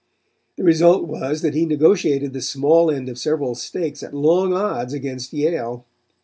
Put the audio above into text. The result was that he negotiated the small end of several stakes at long odds against Yale.